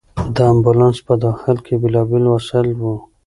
د امبولانس په داخل کې بېلابېل وسایل وو.